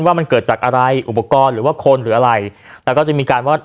ว่ามันเกิดจากอะไรอุปกรณ์หรือว่าคนหรืออะไรแล้วก็จะมีการว่า